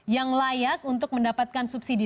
yang layak untuk mendapatkan subsidi